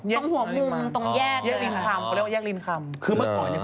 ตรงหัวมุมตรงแยก